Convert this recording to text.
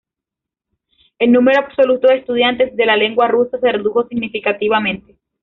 El número absoluto de estudiantes de la lengua rusa se redujo significativamente.